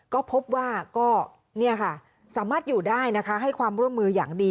ก็พบว่าก็สามารถอยู่ได้นะคะให้ความร่วมมืออย่างดี